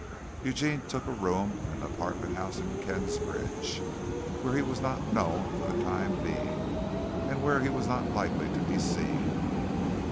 Eugene took a room in an apartment house in Kingsbridge, where he was not known for the time being, and where he was not likely to be seen.